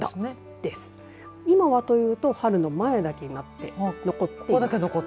今はというと春の前だけになって残っています。